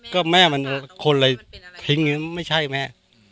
ก็แม่มันคนเลยทิ้งไม่ใช่แม่